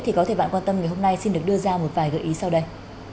thì có thể bạn quan tâm ngày hôm nay xin được đưa ra một vài gợi ý sau đây